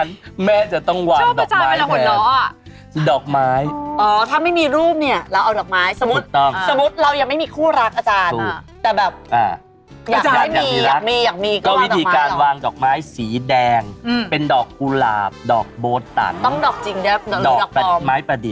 หมายถึงเป็นรูปภาพก็ได้